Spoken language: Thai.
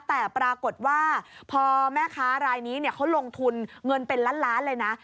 แต่ปรากฏว่าพอแม่ค้ารายนี้เขาลงทุนเงินเป็นล้านล้านเลยนะ